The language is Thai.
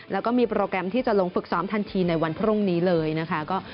แล้วก็มีโปรแกรมที่จะลงฝึกซ้อมทันทีในวันพรุ่งนี้เลยนะคะ